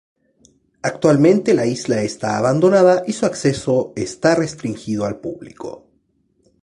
Actualmente la isla está abandonada y su acceso está restringido al público.